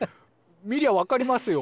見りゃわかりますよ。